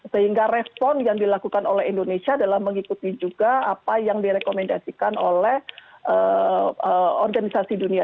sehingga respon yang dilakukan oleh indonesia adalah mengikuti juga apa yang direkomendasikan oleh organisasi dunia